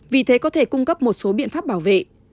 vì thế có thể cung cấp một số biện pháp bảo vệ